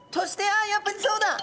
あやっぱりそうだ！